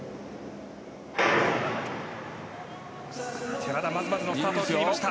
寺田、まずまずのスタートを切りました。